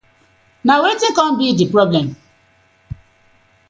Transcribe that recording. Na wetin com bi di problem.